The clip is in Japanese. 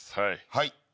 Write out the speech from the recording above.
はい。